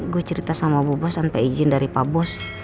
gua cerita sama bu bos sampai izin dari pak bos